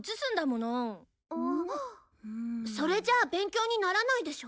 それじゃあ勉強にならないでしょ。